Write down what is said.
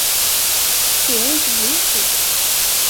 Ser jag inte blek ut?